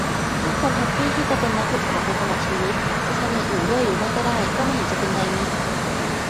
ถ้าคนแฮปปี้ทีจะเป็นนักศึกษาไปตลอดชีวิต จะทำอย่างอื่นด้วยหรือไม่ก็ได้ ก็ไม่เห็นจะเป็นไรนิ